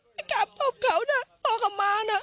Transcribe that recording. ไปกลับพ่อเขาน่ะพ่อกลับมาน่ะ